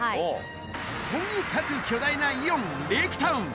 とにかく巨大なイオンレイクタウン。